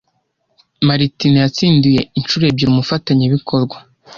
Martina yatsindiye inshuro ebyiri umufatanyabikorwa